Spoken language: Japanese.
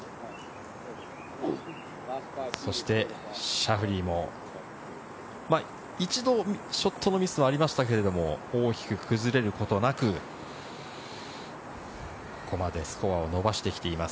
そしてシャフリーも一度、ショットのミスはありましたけれども、大きく崩れることなく、ここまでスコアを伸ばしてきています。